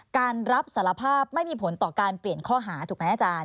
การรับสารภาพไม่มีผลต่อการเปลี่ยนข้อหาถูกไหมอาจารย์